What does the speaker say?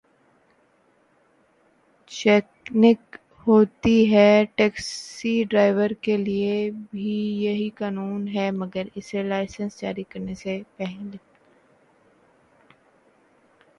Checking ہوتی ہے۔ Taxi driver کے لیے بھی یہی قانون ہے مگر اسے لائسنس جاری کرنے سے پہل